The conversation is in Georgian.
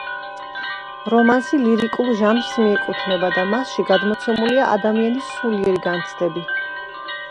რომანსი ლირიკულ ჟანრს მიეკუთვნება და მასში გადმოცემულია ადამიანის სულიერი განცდები.